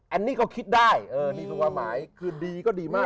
อันนี้ก็คิดได้คือดีก็ดีมาก